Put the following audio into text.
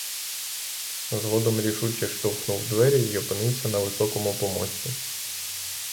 Згодом рішуче штовхнув двері й опинився на високому помості.